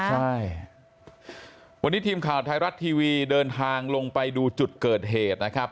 ใช่วันนี้ทีมข่าวไทยรัฐทีวีเดินทางลงไปดูจุดเกิดเหตุนะครับ